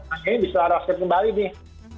ini bisa raskin kembali nih